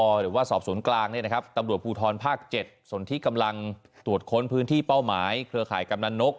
หรือว่าสอบสวนกลางเนี่ยนะครับตำรวจภูทรภาค๗ส่วนที่กำลังตรวจค้นพื้นที่เป้าหมายเครือข่ายกำนันนก